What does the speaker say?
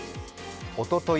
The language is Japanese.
おととい